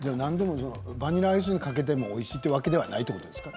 バニラアイスにかけてもおいしいというわけではないですか？